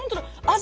味